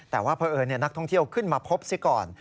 แต่ว่าเพราะเอิญนักท่องเที่ยวขึ้นมาพบซิก่อน